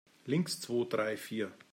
Links, zwo, drei, vier!